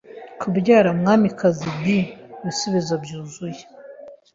kubyara umwamikazi Bee ibisubizo byuzuye,